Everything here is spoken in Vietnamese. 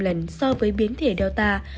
nguy cơ tái nhiễm biến thể omicron cao gấp năm lần